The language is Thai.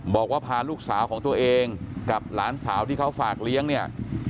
บอกว่าพาลูกสาวของตัวเองกับหลานสาวที่เขาฝากเลี้ยงเนี่ย